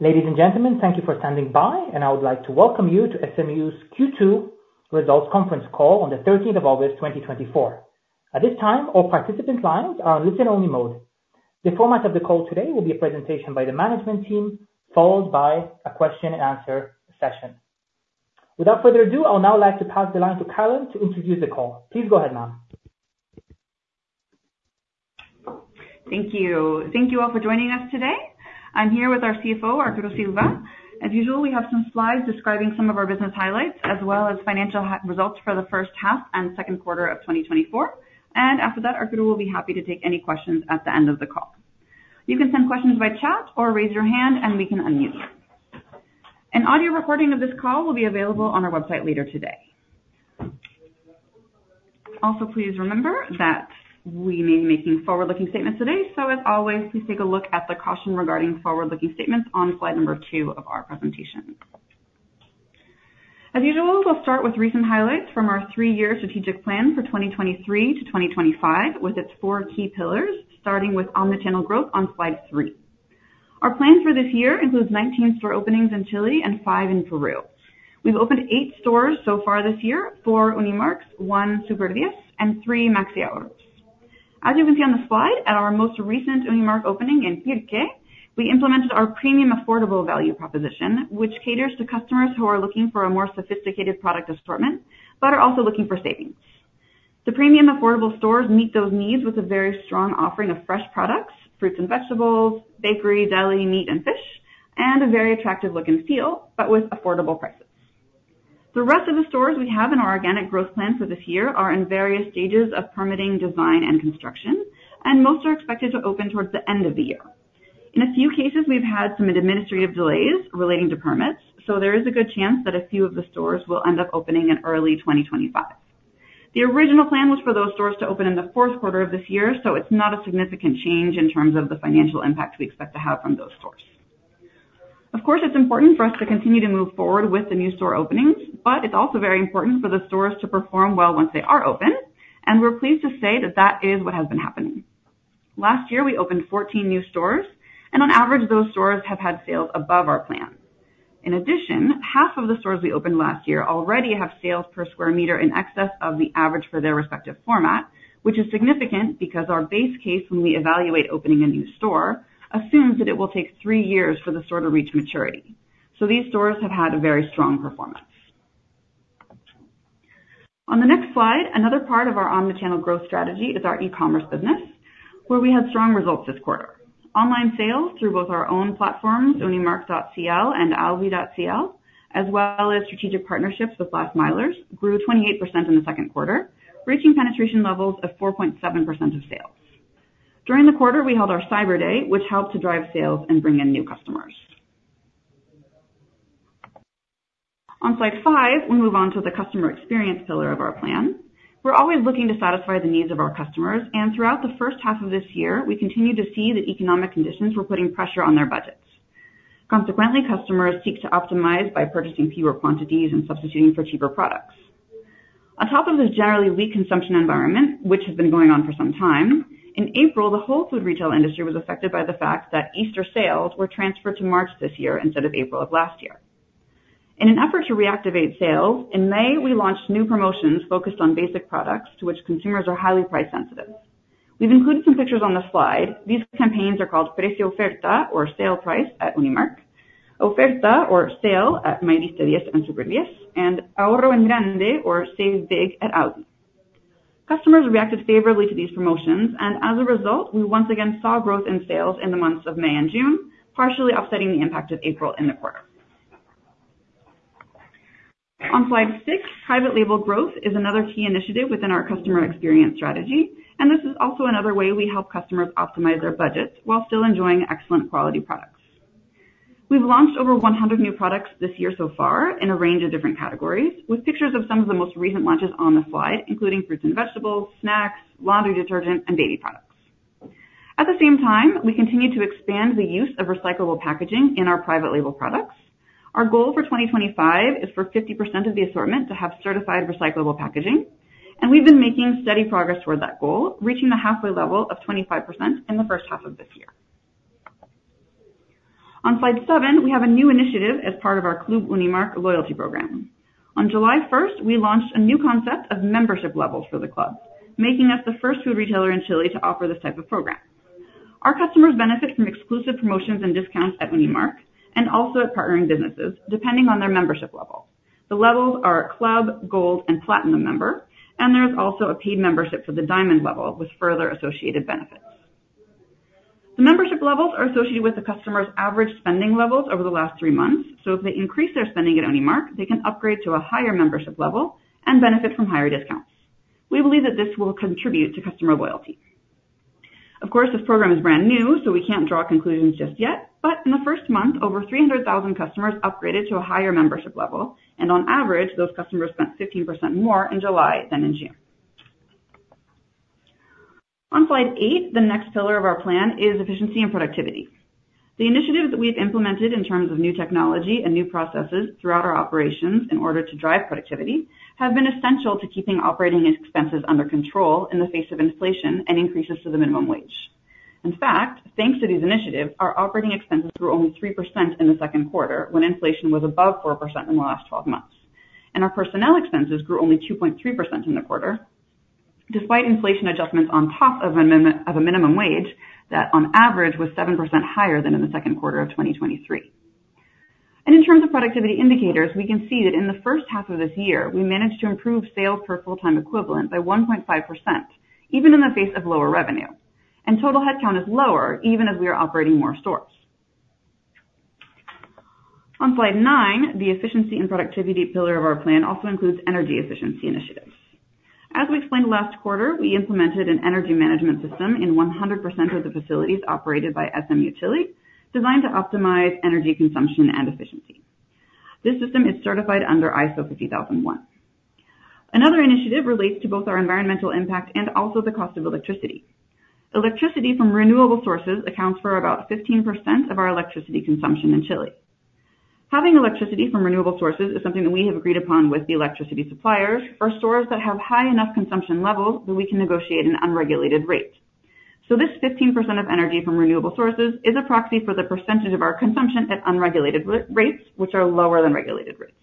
Ladies and gentlemen, thank you for standing by, and I would like to welcome you to SMU's Q2 results conference call on the thirteenth of August twenty twenty-four. At this time, all participant lines are on listen-only mode. The format of the call today will be a presentation by the management team, followed by a question and answer session. Without further ado, I would now like to pass the line to Carolyn to introduce the call. Please go ahead, ma'am. Thank you. Thank you all for joining us today. I'm here with our CFO, Arturo Silva. As usual, we have some slides describing some of our business highlights as well as financial results for the first half and second quarter of 2024. After that, Arturo will be happy to take any questions at the end of the call. You can send questions by chat or raise your hand and we can unmute you. An audio recording of this call will be available on our website later today. Also, please remember that we may be making forward-looking statements today. As always, please take a look at the caution regarding forward-looking statements on slide 2 of our presentation. As usual, we'll start with recent highlights from our three-year strategic plan for 2023 to 2025, with its four key pillars, starting with omni-channel growth on slide 3. Our plan for this year includes 19 store openings in Chile and 5 in Peru. We've opened 8 stores so far this year, 4 Unimarc, 1 Super 10, and 3 Maxi Ahorro. As you can see on the slide, at our most recent Unimarc opening in Pirque, we implemented our premium affordable value proposition, which caters to customers who are looking for a more sophisticated product assortment, but are also looking for savings. The premium affordable stores meet those needs with a very strong offering of fresh products, fruits and vegetables, bakery, deli, meat and fish, and a very attractive look and feel, but with affordable prices. The rest of the stores we have in our organic growth plan for this year are in various stages of permitting, design, and construction, and most are expected to open towards the end of the year. In a few cases, we've had some administrative delays relating to permits, so there is a good chance that a few of the stores will end up opening in early 2025. The original plan was for those stores to open in the fourth quarter of this year, so it's not a significant change in terms of the financial impact we expect to have from those stores. Of course, it's important for us to continue to move forward with the new store openings, but it's also very important for the stores to perform well once they are open, and we're pleased to say that that is what has been happening. Last year, we opened 14 new stores, and on average, those stores have had sales above our plan. In addition, half of the stores we opened last year already have sales per square meter in excess of the average for their respective format, which is significant because our base case when we evaluate opening a new store assumes that it will take three years for the store to reach maturity. These stores have had a very strong performance. On the next slide, another part of our omni-channel growth strategy is our e-commerce business, where we had strong results this quarter. Online sales through both our own platforms, unimarc.cl and alvi.cl, as well as strategic partnerships with Last Milers, grew 28% in the second quarter, reaching penetration levels of 4.7% of sales. During the quarter, we held our Cyber Day, which helped to drive sales and bring in new customers. On slide five, we move on to the customer experience pillar of our plan. We're always looking to satisfy the needs of our customers, and throughout the first half of this year, we continued to see that economic conditions were putting pressure on their budgets. Consequently, customers seek to optimize by purchasing fewer quantities and substituting for cheaper products. On top of this generally weak consumption environment, which has been going on for some time, in April, the whole food retail industry was affected by the fact that Easter sales were transferred to March this year instead of April of last year. In an effort to reactivate sales, in May, we launched new promotions focused on basic products to which consumers are highly price sensitive. We've included some pictures on the slide. These campaigns are called Precio Oferta or Sale Price at Unimarc, Oferta or Sale at Mayorista 10 and Super 10, and Ahorro en Grande or Save Big at Alvi. Customers reacted favorably to these promotions, and as a result, we once again saw growth in sales in the months of May and June, partially offsetting the impact of April in the quarter. On slide 6, private label growth is another key initiative within our customer experience strategy, and this is also another way we help customers optimize their budgets while still enjoying excellent quality products. We've launched over 100 new products this year so far in a range of different categories with pictures of some of the most recent launches on the slide, including fruits and vegetables, snacks, laundry detergent, and baby products. At the same time, we continue to expand the use of recyclable packaging in our private label products. Our goal for 2025 is for 50% of the assortment to have certified recyclable packaging, and we've been making steady progress toward that goal, reaching the halfway level of 25% in the first half of this year. On slide 7, we have a new initiative as part of our Club Unimarc loyalty program. On July 1, we launched a new concept of membership levels for the club, making us the first food retailer in Chile to offer this type of program. Our customers benefit from exclusive promotions and discounts at Unimarc and also at partnering businesses, depending on their membership level. The levels are Club Member, Gold Member, and Platinum Member, and there is also a paid membership for the Diamond Membership with further associated benefits. The membership levels are associated with the customer's average spending levels over the last 3 months. If they increase their spending at Unimarc, they can upgrade to a higher membership level and benefit from higher discounts. We believe that this will contribute to customer loyalty. Of course, this program is brand new, so we can't draw conclusions just yet. In the first month, over 300,000 customers upgraded to a higher membership level, and on average, those customers spent 15% more in July than in June. On slide 8, the next pillar of our plan is efficiency and productivity. The initiatives that we've implemented in terms of new technology and new processes throughout our operations in order to drive productivity have been essential to keeping operating expenses under control in the face of inflation and increases to the minimum wage. In fact, thanks to these initiatives, our operating expenses grew only 3% in the second quarter when inflation was above 4% in the last twelve months. Our personnel expenses grew only 2.3% in the quarter, despite inflation adjustments on top of a minimum wage that on average was 7% higher than in the second quarter of 2023. In terms of productivity indicators, we can see that in the first half of this year, we managed to improve sales per full-time equivalent by 1.5% even in the face of lower revenue. Total headcount is lower even as we are operating more stores. On slide 9, the efficiency and productivity pillar of our plan also includes energy efficiency initiatives. As we explained last quarter, we implemented an energy management system in 100% of the facilities operated by SMU, designed to optimize energy consumption and efficiency. This system is certified under ISO 50001. Another initiative relates to both our environmental impact and also the cost of electricity. Electricity from renewable sources accounts for about 15% of our electricity consumption in Chile. Having electricity from renewable sources is something that we have agreed upon with the electricity suppliers or stores that have high enough consumption levels that we can negotiate an unregulated rate. This 15% of energy from renewable sources is a proxy for the percentage of our consumption at unregulated rates, which are lower than regulated rates.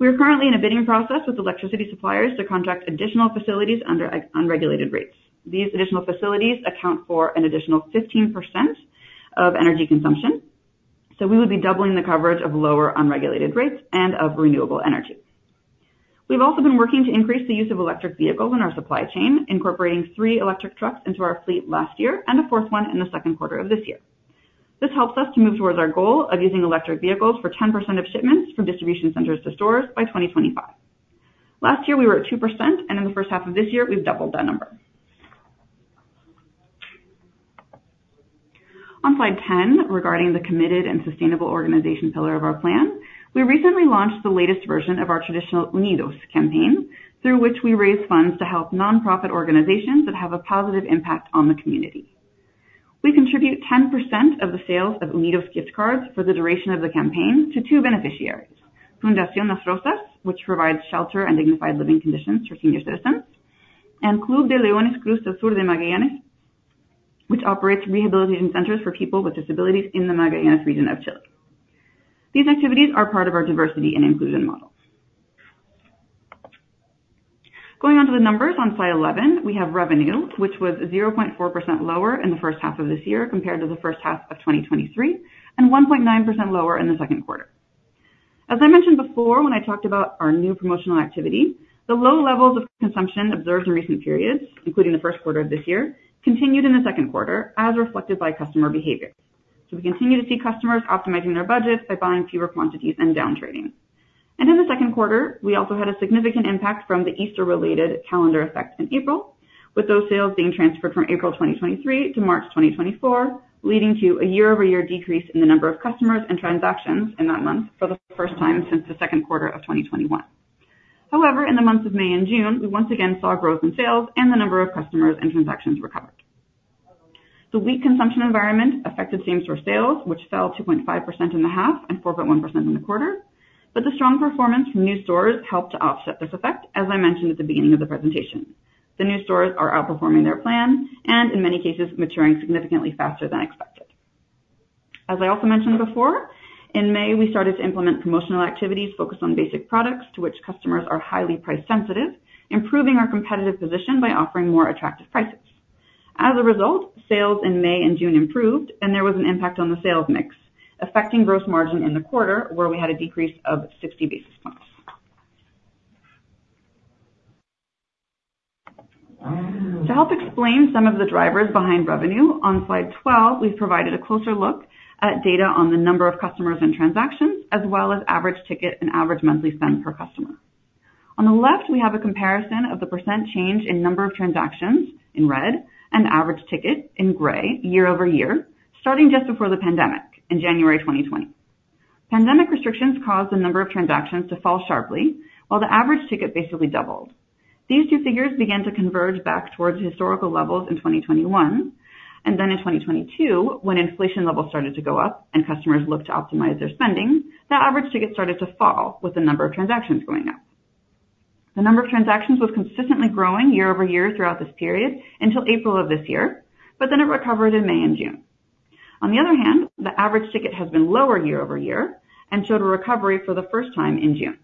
We are currently in a bidding process with electricity suppliers to contract additional facilities under unregulated rates. These additional facilities account for an additional 15% of energy consumption, so we would be doubling the coverage of lower unregulated rates and of renewable energy. We've also been working to increase the use of electric vehicles in our supply chain, incorporating three electric trucks into our fleet last year and a fourth one in the second quarter of this year. This helps us to move towards our goal of using electric vehicles for 10% of shipments from distribution centers to stores by 2025. Last year, we were at 2%, and in the first half of this year, we've doubled that number. On slide 10, regarding the committed and sustainable organization pillar of our plan, we recently launched the latest version of our traditional Unidos campaign, through which we raise funds to help nonprofit organizations that have a positive impact on the community. We contribute 10% of the sales of Unidos gift cards for the duration of the campaign to two beneficiaries. Fundación Las Rosas, which provides shelter and dignified living conditions for senior citizens, and Club de Leones Cruz del Sur de Magallanes, which operates rehabilitation centers for people with disabilities in the Magallanes region of Chile. These activities are part of our diversity and inclusion model. Going on to the numbers on slide 11, we have revenue, which was 0.4% lower in the first half of this year compared to the first half of 2023, and 1.9% lower in the second quarter. As I mentioned before when I talked about our new promotional activity, the low levels of consumption observed in recent periods, including the first quarter of this year, continued in the second quarter, as reflected by customer behavior. We continue to see customers optimizing their budgets by buying fewer quantities and down-trading. In the second quarter, we also had a significant impact from the Easter-related calendar effect in April, with those sales being transferred from April 2023 to March 2024, leading to a year-over-year decrease in the number of customers and transactions in that month for the first time since the second quarter of 2021. However, in the months of May and June, we once again saw growth in sales and the number of customers and transactions recovered. The weak consumption environment affected same store sales, which fell 2.5% in the half and 4.1% in the quarter. The strong performance from new stores helped to offset this effect, as I mentioned at the beginning of the presentation. The new stores are outperforming their plan and in many cases maturing significantly faster than expected. As I also mentioned before, in May, we started to implement promotional activities focused on basic products to which customers are highly price sensitive, improving our competitive position by offering more attractive prices. As a result, sales in May and June improved and there was an impact on the sales mix, affecting gross margin in the quarter, where we had a decrease of 60 basis points. To help explain some of the drivers behind revenue, on slide 12, we've provided a closer look at data on the number of customers and transactions, as well as average ticket and average monthly spend per customer. On the left, we have a comparison of the % change in number of transactions in red and average ticket in gray year-over-year, starting just before the pandemic in January 2020. Pandemic restrictions caused the number of transactions to fall sharply, while the average ticket basically doubled. These two figures began to converge back towards historical levels in 2021. In 2022, when inflation levels started to go up and customers looked to optimize their spending, the average ticket started to fall with the number of transactions going up. The number of transactions was consistently growing year-over-year throughout this period until April of this year, but then it recovered in May and June. On the other hand, the average ticket has been lower year-over-year and showed a recovery for the first time in June.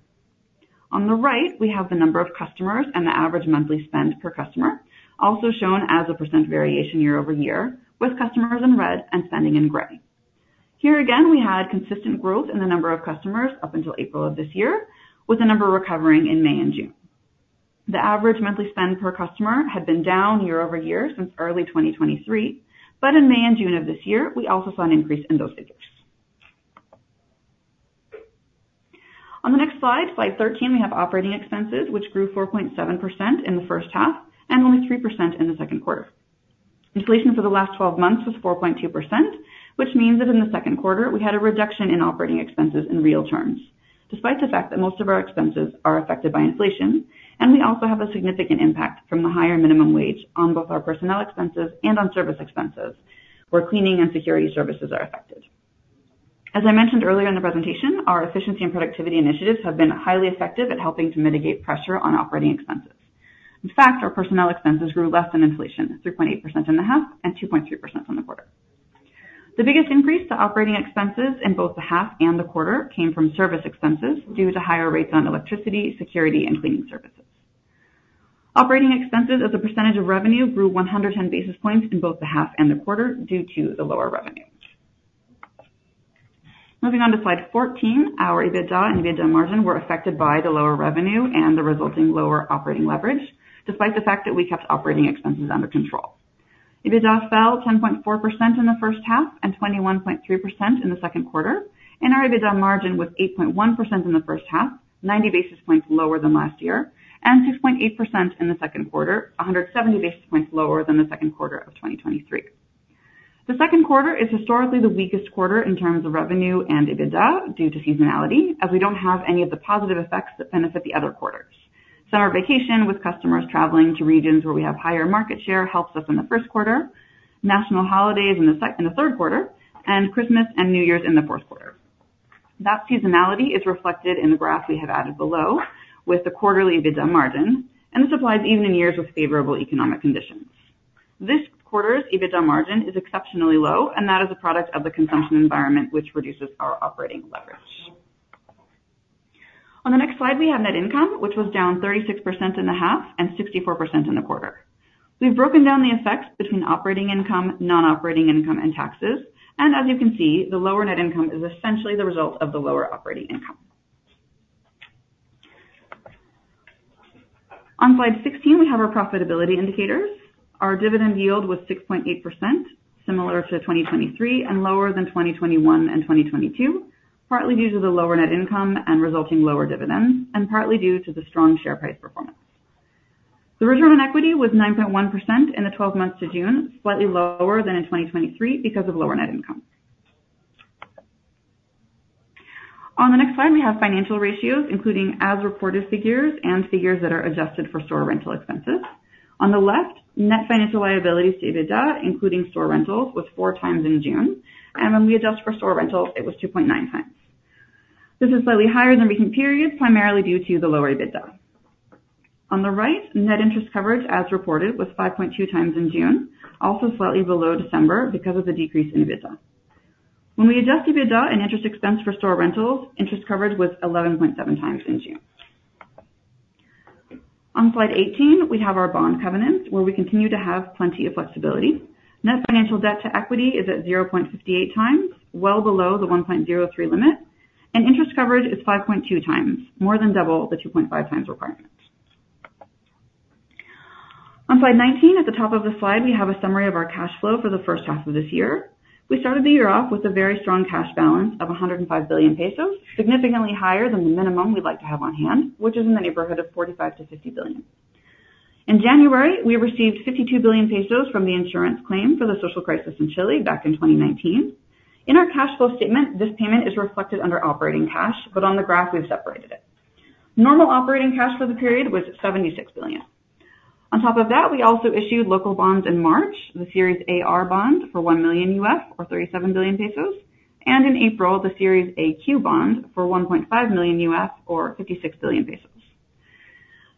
On the right, we have the number of customers and the average monthly spend per customer, also shown as a % variation year-over-year, with customers in red and spending in gray. Here again, we had consistent growth in the number of customers up until April of this year, with the number recovering in May and June. The average monthly spend per customer had been down year-over-year since early 2023, but in May and June of this year, we also saw an increase in those figures. On the next slide 13, we have operating expenses, which grew 4.7% in the first half and only 3% in the second quarter. Inflation for the last twelve months was 4.2%, which means that in the second quarter we had a reduction in operating expenses in real terms. Despite the fact that most of our expenses are affected by inflation, and we also have a significant impact from the higher minimum wage on both our personnel expenses and on service expenses, where cleaning and security services are affected. As I mentioned earlier in the presentation, our efficiency and productivity initiatives have been highly effective at helping to mitigate pressure on operating expenses. In fact, our personnel expenses grew less than inflation, 3.8% in the half and 2.3% on the quarter. The biggest increase to operating expenses in both the half and the quarter came from service expenses due to higher rates on electricity, security and cleaning services. Operating expenses as a percentage of revenue grew 110 basis points in both the half and the quarter due to the lower revenues. Moving on to slide 14. Our EBITDA and EBITDA margin were affected by the lower revenue and the resulting lower operating leverage, despite the fact that we kept operating expenses under control. EBITDA fell 10.4% in the first half and 21.3% in the second quarter, and our EBITDA margin was 8.1% in the first half, 90 basis points lower than last year and 6.8% in the second quarter, 170 basis points lower than the second quarter of 2023. The second quarter is historically the weakest quarter in terms of revenue and EBITDA due to seasonality as we don't have any of the positive effects that benefit the other quarters. Summer vacation with customers traveling to regions where we have higher market share helps us in the first quarter. National holidays in the third quarter and Christmas and New Year's in the fourth quarter. That seasonality is reflected in the graph we have added below with the quarterly EBITDA margin, and this applies even in years with favorable economic conditions. This quarter's EBITDA margin is exceptionally low, and that is a product of the consumption environment which reduces our operating leverage. On the next slide we have net income, which was down 36% in the half and 64% in the quarter. We've broken down the effects between operating income, non-operating income and taxes, and as you can see, the lower net income is essentially the result of the lower operating income. On slide 16, we have our profitability indicators. Our dividend yield was 6.8%, similar to 2023 and lower than 2021 and 2022, partly due to the lower net income and resulting lower dividends, and partly due to the strong share price performance. The return on equity was 9.1% in the 12 months to June, slightly lower than in 2023 because of lower net income. On the next slide we have financial ratios including as reported figures and figures that are adjusted for store rental expenses. On the left, net financial liabilities to EBITDA, including store rentals, was 4x in June, and when we adjust for store rentals it was 2.9x. This is slightly higher than recent periods, primarily due to the lower EBITDA. On the right, net interest coverage as reported was 5.2x in June, also slightly below December because of the decrease in EBITDA. When we adjust EBITDA and interest expense for store rentals, interest coverage was 11.7x in June. On slide 18 we have our bond covenants where we continue to have plenty of flexibility. Net financial debt to equity is at 0.58x, well below the 1.03 limit, and interest coverage is 5.2x, more than double the 2.5x requirement. On slide 19, at the top of the slide, we have a summary of our cash flow for the first half of this year. We started the year off with a very strong cash balance of 105 billion pesos, significantly higher than the minimum we'd like to have on hand, which is in the neighborhood of 45 billion-50 billion. In January, we received 52 billion pesos from the insurance claim for the social crisis in Chile back in 2019. In our cash flow statement, this payment is reflected under operating cash, but on the graph we've separated it. Normal operating cash for the period was 76 billion. On top of that, we also issued local bonds in March, the Series AR bond for $1 million or 37 billion pesos, and in April the Series AQ bond for $1.5 million or 56 billion pesos.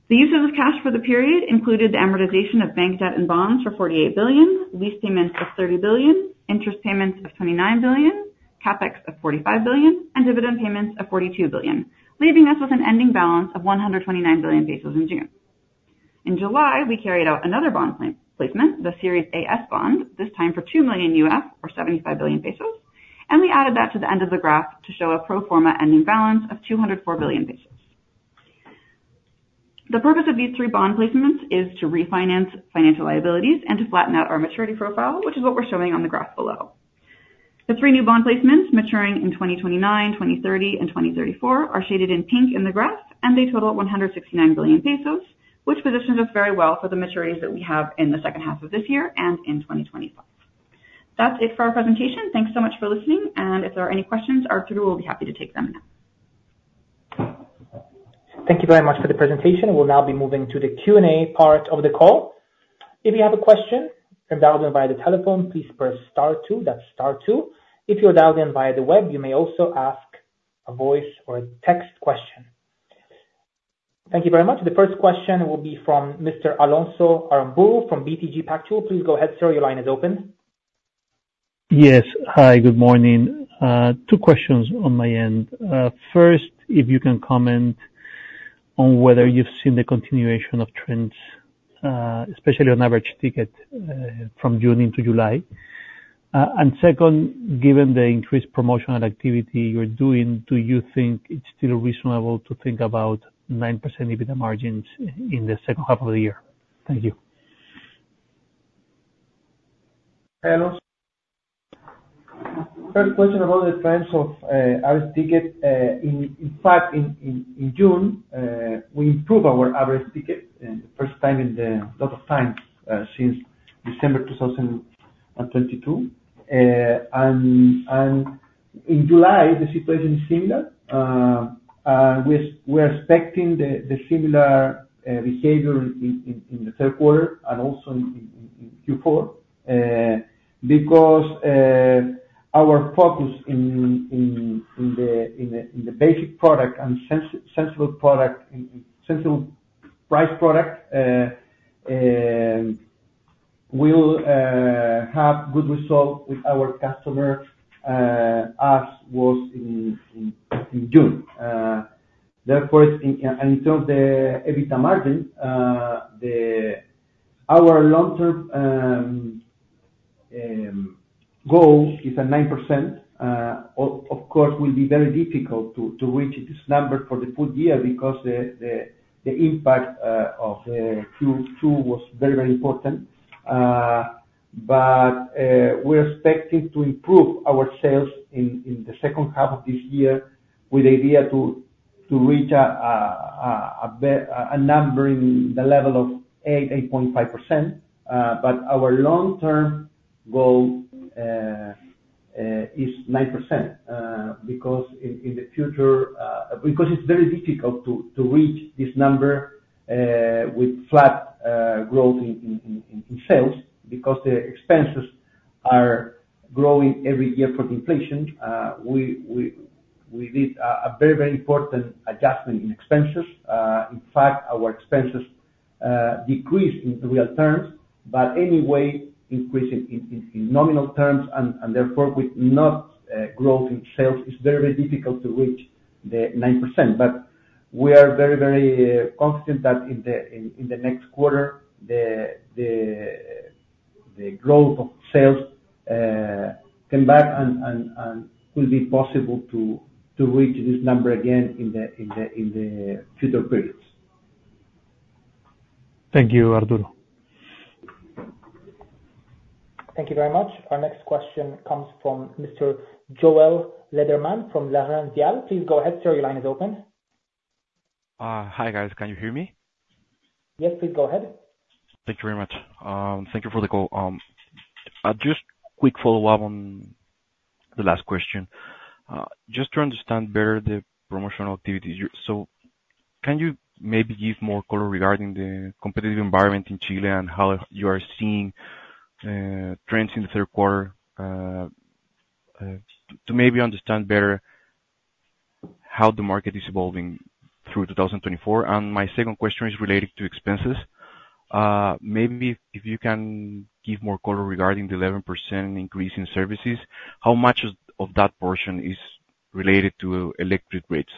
The use of this cash for the period included the amortization of bank debt and bonds for 48 billion, lease payments of 30 billion, interest payments of 29 billion, CapEx of 45 billion, and dividend payments of 42 billion, leaving us with an ending balance of 129 billion pesos in June. In July, we carried out another bond plan placement, the Series AS bond, this time for $2 million or 75 billion pesos, and we added that to the end of the graph to show a pro forma ending balance of 204 billion pesos. The purpose of these three bond placements is to refinance financial liabilities and to flatten out our maturity profile, which is what we're showing on the graph below. The three new bond placements maturing in 2029, 2030 and 2034 are shaded in pink in the graph, and they total 169 billion pesos, which positions us very well for the maturities that we have in the second half of this year and in 2025. That's it for our presentation. Thanks so much for listening, and if there are any questions, Arturo will be happy to take them now. Thank you very much for the presentation. We'll now be moving to the Q&A part of the call. If you have a question and dialed in via the telephone, please press star two. That's star two. If you're dialed in via the web, you may also ask a voice or a text question. Thank you very much. The first question will be from Mr. Alonso Aramburu from BTG Pactual. Please go ahead, sir. Your line is open. Yes. Hi, good morning. Two questions on my end. First, if you can comment on whether you've seen the continuation of trends, especially on average ticket, from June into July? Second, given the increased promotional activity you're doing, do you think it's still reasonable to think about 9% EBITDA margins in the second half of the year? Thank you. Hello. First question about the trends of average ticket. In June, we improved our average ticket first time in a lot of time since December 2022. In July the situation is similar. We're expecting the similar behavior in the third quarter and also in Q4. Because our focus in the basic product and sensible product and sensible price product will have good results with our customer as was in June. Therefore, in terms of the EBITDA margin. Our long term goal is at 9%. Of course, it will be very difficult to reach this number for the full year because the impact of Q2 was very important. We're expecting to improve our sales in the second half of this year with the idea to reach a number in the level of 8.5%. Our long-term goal is 9% because in the future, because it's very difficult to reach this number with flat growth in sales, because the expenses are growing every year for the inflation. We did a very important adjustment in expenses. In fact, our expenses decreased in real terms, but anyway, increasing in nominal terms and therefore with no growth in sales, it's very difficult to reach the 9%. We are very, very confident that in the next quarter, the growth of sales come back and it will be possible to reach this number again in the future periods. Thank you, Arturo. Thank you very much. Our next question comes from Mr. Joel Lederman from LarrainVial. Please go ahead, Sir. Your line is open. Hi guys. Can you hear me? Yes, please go ahead. Thank you very much. Thank you for the call. Just quick follow-up on the last question. Just to understand better the promotional activities. Can you maybe give more color regarding the competitive environment in Chile and how you are seeing trends in the third quarter to maybe understand better how the market is evolving through 2024. My second question is related to expenses. Maybe if you can give more color regarding the 11% increase in services, how much of that portion is related to electric rates?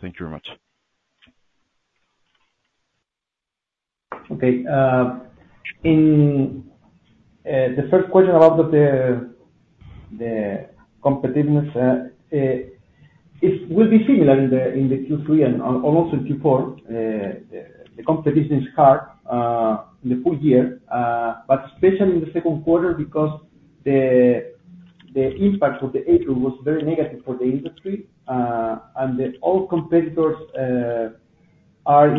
Thank you very much. Okay. In the first question about the competitiveness, it will be similar in the Q3 and almost in Q4. The competition is hard in the full year, but especially in the second quarter because the impact of April was very negative for the industry. All competitors are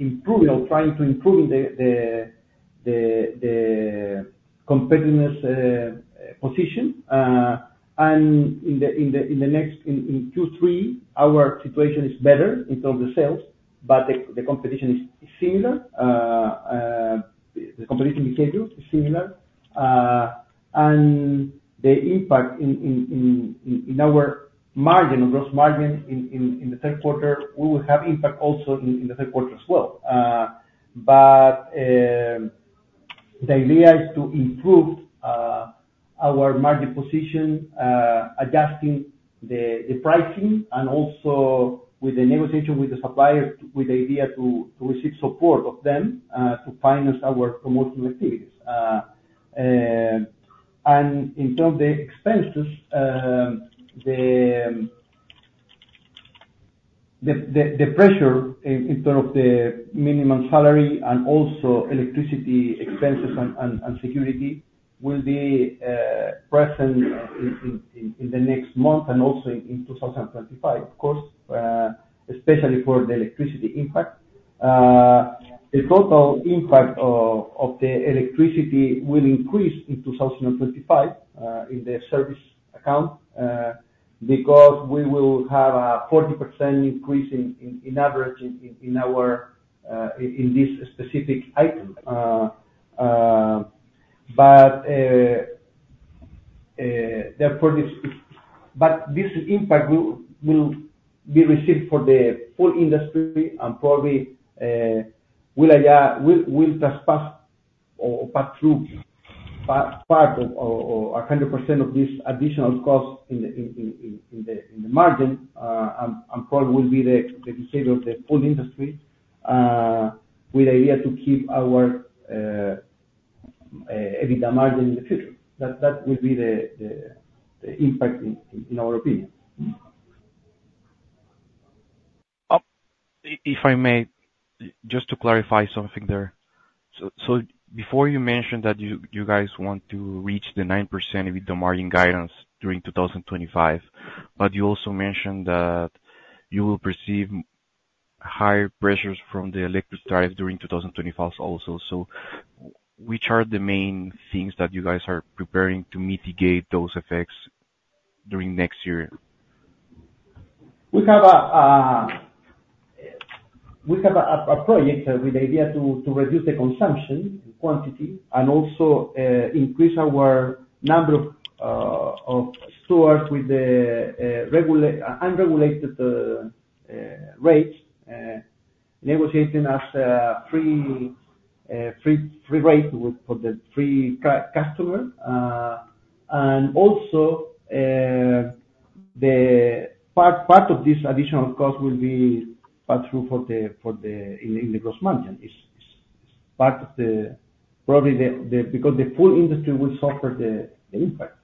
improving or trying to improve the competitive position. In Q3, our situation is better in terms of sales, but the competition is similar. The competition we scheduled is similar. The impact on our gross margin in the third quarter, we will have impact also in the third quarter as well. The idea is to improve our market position adjusting the pricing and also with the negotiation with the supplier, with the idea to receive support of them to finance our promotional activities. In terms of the expenses, the pressure in terms of the minimum salary and also electricity expenses and security will be present in the next month and also in 2025, of course, especially for the electricity impact. The total impact of the electricity will increase in 2025 in the service account because we will have a 40% increase in average in our in this specific item. Therefore this. This impact will be received for the full industry and probably will just pass or pass through part of or 100% of this additional cost in the margin, and probably will be the behavior of the food industry with the idea to keep our EBITDA margin in the future. That will be the impact in our opinion. If I may, just to clarify something there. Before you mentioned that you guys want to reach the 9% EBITDA margin guidance during 2025, but you also mentioned that you will perceive higher pressures from the electric tariff during 2025 also. Which are the main things that you guys are preparing to mitigate those effects during next year? We have a project with the idea to reduce the consumption quantity and also increase our number of stores with the unregulated rates, negotiating as free rate for the free customer. The part of this additional cost will be passed through in the gross margin. It's part of the probably because the full industry will suffer the impact.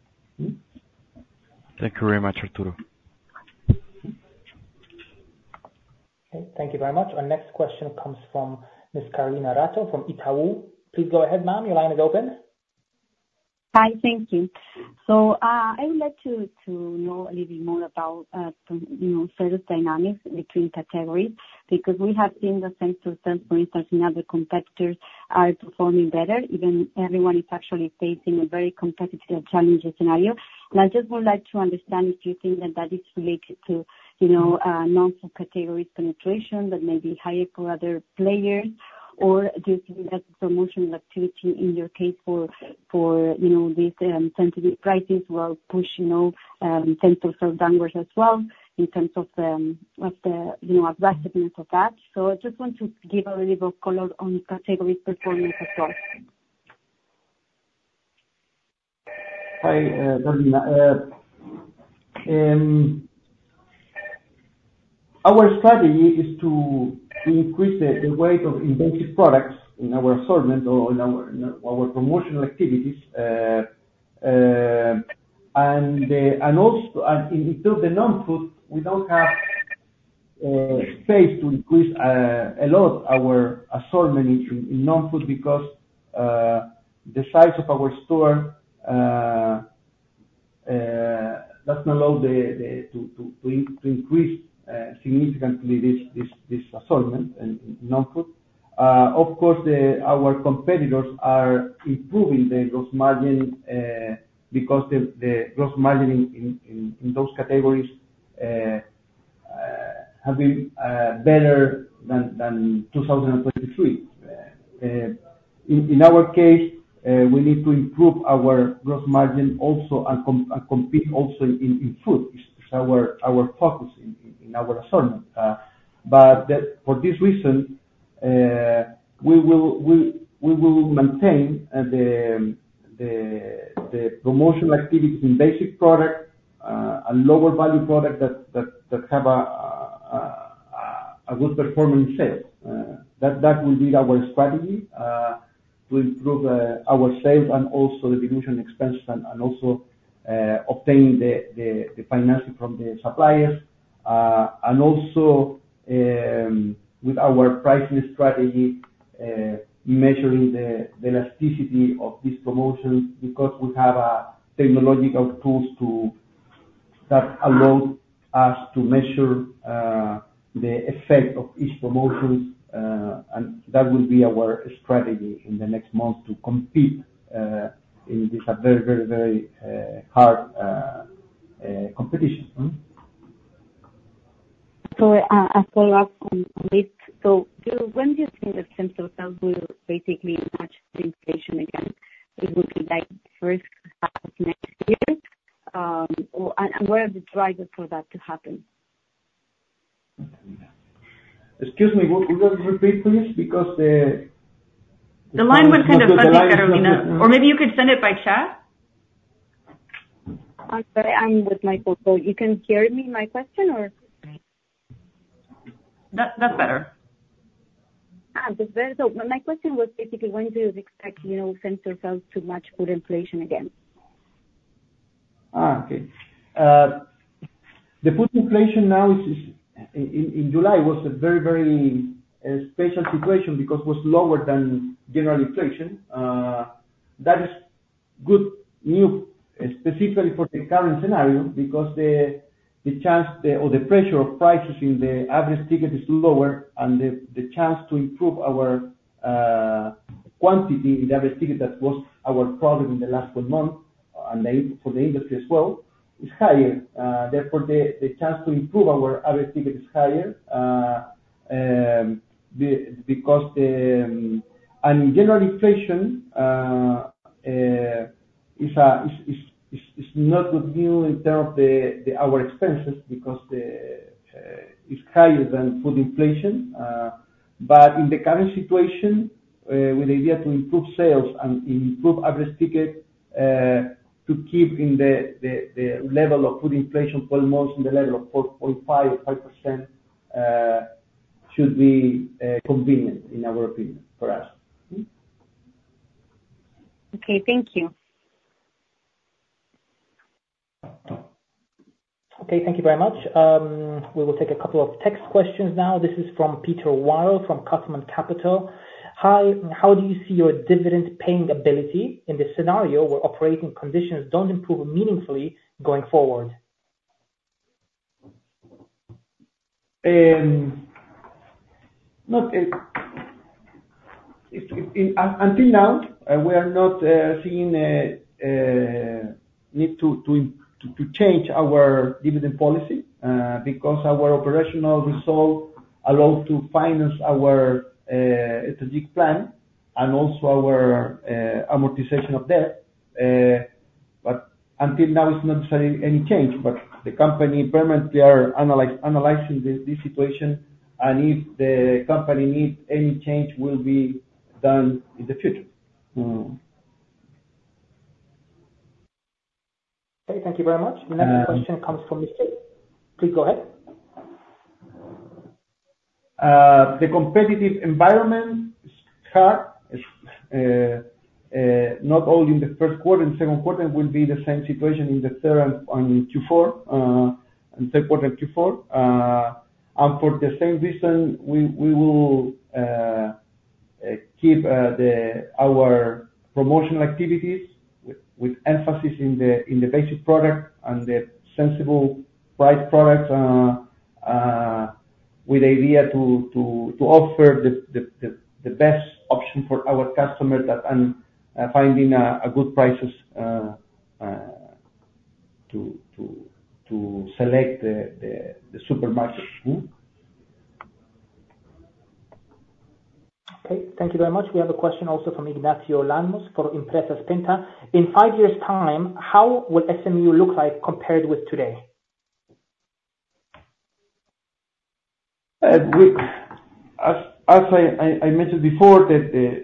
Thank you very much, Arturo. Okay, thank you very much. Our next question comes from Miss Carolina Ratto from Itaú. Please go ahead, ma'am. Your line is open. Hi. Thank you. I would like to know a little bit more about, you know, sales dynamics between categories, because we have seen the same-store sales, for instance, in other competitors are performing better, even everyone is actually facing a very competitive challenges scenario. I just would like to understand if you think that is related to, you know, non-food categories penetration that may be higher for other players. Or do you think that the promotional activity in your case for, you know, with the sensitive prices will push, you know, same store sales downwards as well in terms of the, you know, aggressiveness of that. I just want to give a little color on category performance as well. Hi, Carolina. Our strategy is to increase the weight of private label products in our assortment or in our promotional activities. Also, in terms of the non-food, we don't have space to increase a lot our assortment in non-food because the size of our store does not allow to increase significantly this assortment in non-food. Of course, our competitors are improving the gross margin because the gross margin in those categories have been better than 2023. In our case, we need to improve our gross margin also and compete also in food. It's our focus in our assortment. For this reason, we will maintain the promotional activities in basic product and lower value product that have a good performance sales. That will be our strategy to improve our sales and also reduce expenses and also obtain the financing from the suppliers. Also, with our pricing strategy, measuring the elasticity of this promotion because we have technological tools that allow us to measure the effect of each promotions, and that will be our strategy in the next month to compete in this very hard competition. A follow-up on this. When do you think that same store sales will basically match the inflation again? It would be like first half of next year? What are the drivers for that to happen? Excuse me. Would you repeat, please, because the The line was kind of fuzzy, Carolina. Or maybe you could send it by chat. I'm sorry. I'm with my phone. You can hear me? My question or? That, that's better. That's better. My question was basically when do you expect, you know, same store sales to match food inflation again? Okay. The food inflation now in July was a very special situation because it was lower than general inflation. That is good news, especially for the current scenario, because the chance or the pressure of prices in the average ticket is lower and the chance to improve our quantity in the average ticket that was our problem in the last four months, and for the industry as well, is higher. Therefore, the chance to improve our average ticket is higher because general inflation is not good news in terms of our expenses because it's higher than food inflation. In the current situation, with the idea to improve sales and improve average ticket, to keep in the level of food inflation four months in the level of 4.5% or 5%, should be convenient in our opinion for us. Okay. Thank you. Okay. Thank you very much. We will take a couple of text questions now. This is from Pedro Waehrens from Custom Capital. Hi, how do you see your dividend paying ability in this scenario where operating conditions don't improve meaningfully going forward? Look, until now, we are not seeing a need to change our dividend policy, because our operational result allow to finance our strategic plan and also our amortization of debt. Until now, it's not saying any change, but the company permanently are analyzing this situation, and if the company needs any change, will be done in the future. Okay, thank you very much. Uh. The next question comes from Mr. Please go ahead. The competitive environment is hard. It's not only in the first quarter and second quarter will be the same situation in the third quarter and Q4. For the same reason, we will keep our promotional activities with emphasis in the basic product and the price-sensitive products, with the idea to offer the best option for our customers that are finding good prices to select the supermarket group. Okay, thank you very much. We have a question also from Ignacio Llanos for Ignacio Llanos. In five years' time, how will SMU look like compared with today? As I mentioned before that,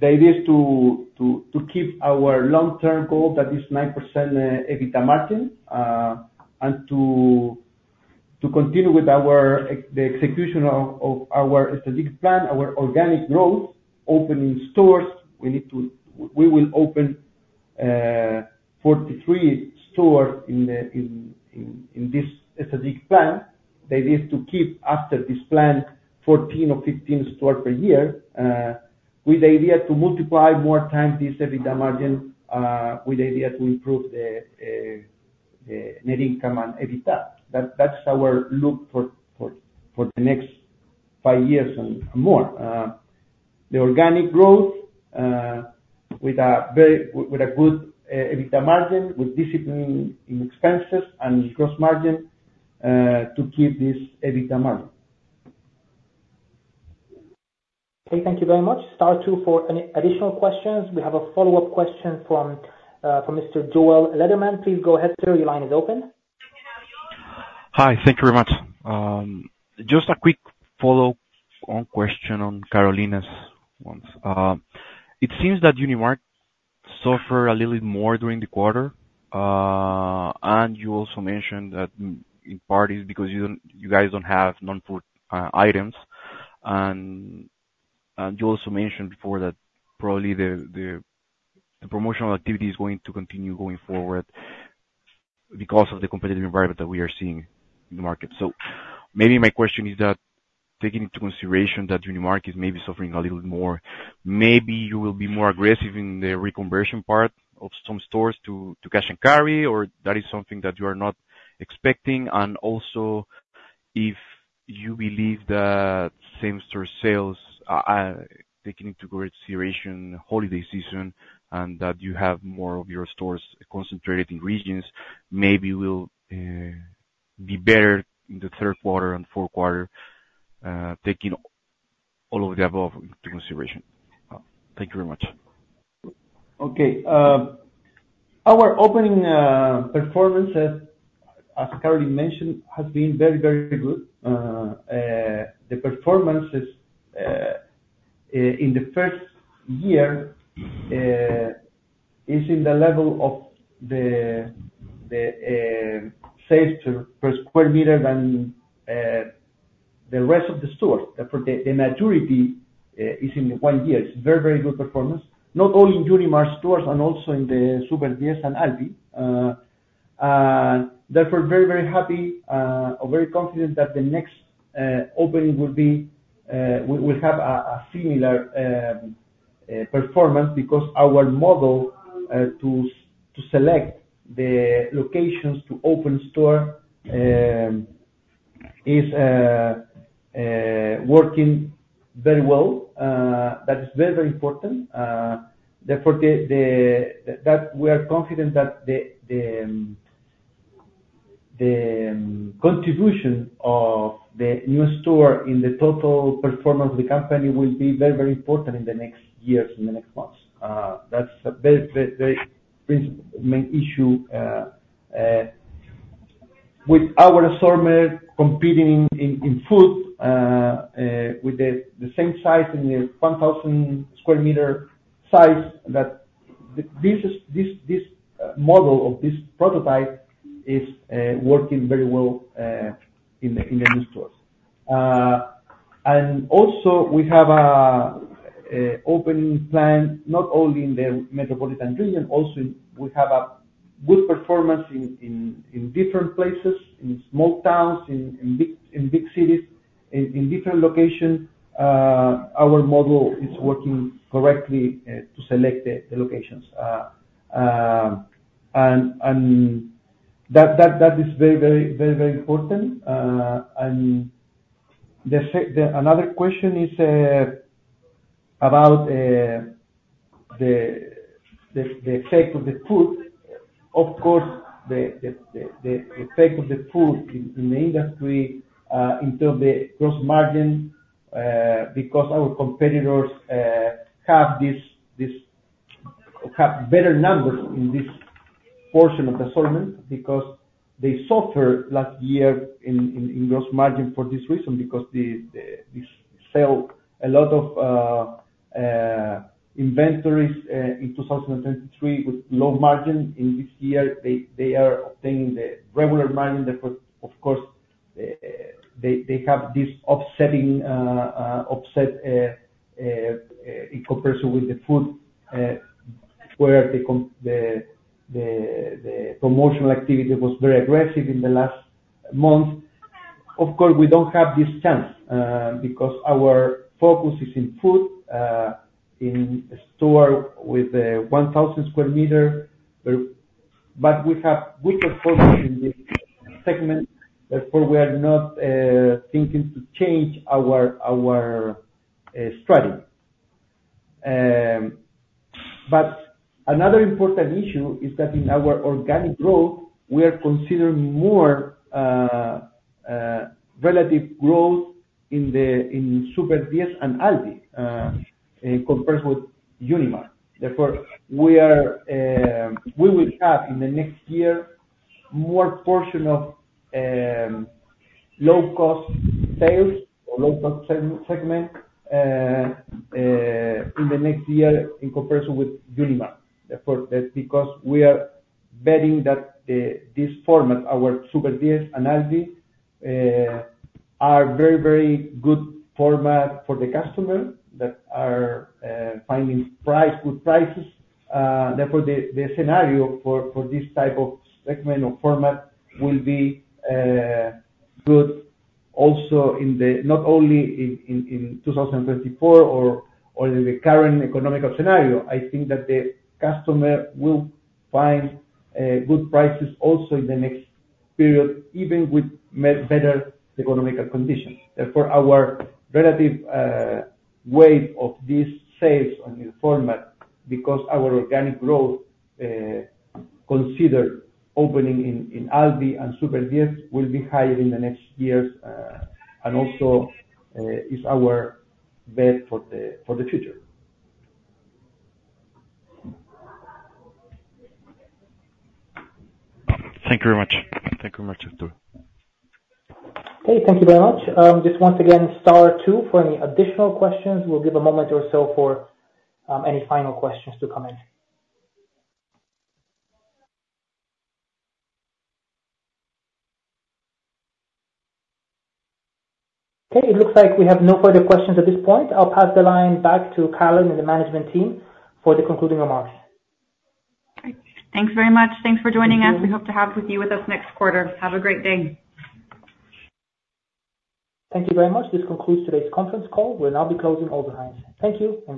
the idea is to keep our long-term goal that is 9% EBITDA margin, and to continue with the execution of our strategic plan, our organic growth, opening stores. We will open 43 stores in this strategic plan. The idea is to keep, after this plan, 14 or 15 stores per year, with the idea to multiply more times this EBITDA margin, with the idea to improve the net income and EBITDA. That's our outlook for the next five years and more. The organic growth, with a good EBITDA margin, with discipline in expenses and gross margin, to keep this EBITDA margin. Okay, thank you very much. Star two for any additional questions. We have a follow-up question from Mr. Joel Lederman. Please go ahead, sir. Your line is open. Hi, thank you very much. Just a quick follow-on question on Carolina's ones. It seems that Unimarc suffers a little bit more during the quarter, and you also mentioned that in part is because you don't, you guys don't have non-food items. You also mentioned before that probably the promotional activity is going to continue going forward because of the competitive environment that we are seeing in the market. Maybe my question is that taking into consideration that Unimarc is maybe suffering a little bit more, maybe you will be more aggressive in the reconversion part of some stores to cash and carry, or that is something that you are not expecting. Also, if you believe that same store sales, taking into consideration holiday season and that you have more of your stores concentrated in regions, maybe will be better in the third quarter and fourth quarter, taking all of the above into consideration. Thank you very much. Okay. Our opening performance, as Carolyn mentioned, has been very, very good. The performance is in the first year in the level of the sales per square meter than the rest of the stores. For the maturity is in one year. It's very, very good performance, not only in Unimarc stores and also in the Super 10 and Alvi. Therefore, very, very happy or very confident that the next opening will have a similar performance because our model to select the locations to open store is working very well. That is very, very important. Therefore, we are confident that the contribution of the new store in the total performance of the company will be very important in the next years and the next months. That's a very principal main issue. With our assortment competing in food with the same size in the 1,000 sq m size that this model of this prototype is working very well in the new stores. We have an opening plan, not only in the metropolitan region, also we have a good performance in different places, in small towns, in big cities, in different locations. Our model is working correctly to select the locations. That is very important. Another question is about the effect of the food. Of course, the effect of the food in the industry in terms of gross margin, because our competitors have this, have better numbers in this portion of assortment because they suffered last year in gross margin for this reason because they sell a lot of inventories in 2023 with low margin. In this year they are obtaining the regular margin. Therefore, of course, they have this offset in comparison with the food, where the promotional activity was very aggressive in the last month. Of course, we don't have this chance because our focus is in food in store with 1,000 square meter. We have weaker focus in this segment. Therefore, we are not thinking to change our strategy. Another important issue is that in our organic growth, we are considering more relative growth in Super 10 and Alvi in comparison with Unimarc. Therefore, we will have in the next year more portion of low cost sales or low cost segment in the next year in comparison with Unimarc. Therefore, that's because we are betting that this format, our Super 10 and Alvi are very, very good format for the customer that are finding good prices. Therefore, the scenario for this type of segment or format will be good also in not only in 2024 or in the current economic scenario. I think that the customer will find good prices also in the next period, even with even better economic conditions. Therefore, our relative weight of these sales on the format because our organic growth considering opening in Alvi and Super 10 will be higher in the next years, and also is our bet for the future. Thank you very much. Thank you very much, Arturo Silva. Okay, thank you very much. Just once again, star two for any additional questions. We'll give a moment or so for any final questions to come in. Okay, it looks like we have no further questions at this point. I'll pass the line back to Carolyn and the management team for the concluding remarks. Great. Thanks very much. Thanks for joining us. Thank you. We hope to have you with us next quarter. Have a great day. Thank you very much. This concludes today's conference call. We'll now be closing all the lines. Thank you and goodbye.